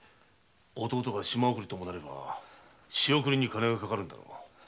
弟が島送りとなれば仕送りに金がかかるんだろう。